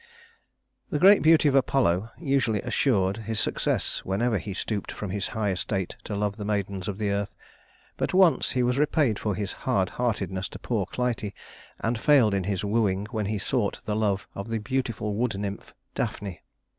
II The great beauty of Apollo usually assured his success whenever he stooped from his high estate to love the maidens of the earth; but once he was repaid for his hard heartedness to poor Clytie, and failed in his wooing when he sought the love of the beautiful wood nymph Daphne.